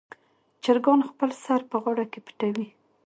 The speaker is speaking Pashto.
چرګان خپل سر په غاړه کې پټوي.